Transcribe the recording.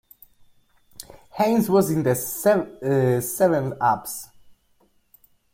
Haines was in "The Seven-Ups".